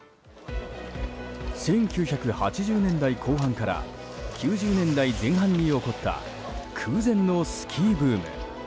１９８０年代後半から９０年代前半に起こった空前のスキーブーム。